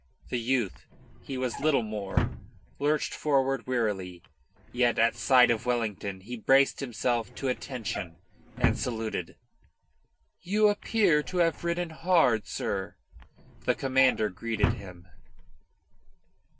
The youth he was little more lurched forward wearily, yet at sight of Wellington he braced himself to attention and saluted. "You appear to have ridden hard, sir," the Commander greeted him.